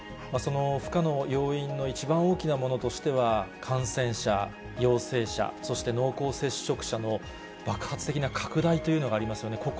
その負荷の要因の一番大きなものとしては、感染者、陽性者、そして濃厚接触者の爆発的な拡大というのがありますよね。